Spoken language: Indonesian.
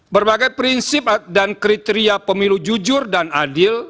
berbagai prinsip dan kriteria pemilu jujur dan adil